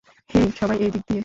হেই, সবাই, এ দিক দিয়ে।